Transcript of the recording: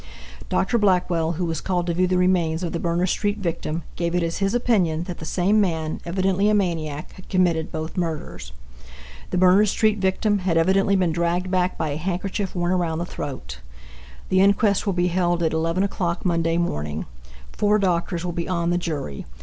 Dr. Blackwell, who was called to view the remains of the Berners street victim, gave it as his opinion that the same man, evidently a maniac, had committed both murders. The Berners street victim had evidently been dragged back by a handkerchief worn around the throat. The inquest will be held at 11 o'clock Monday morning. Four doctors will be on the jury.